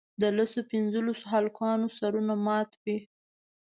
د لسو پینځلسو هلکانو سرونه مات وي.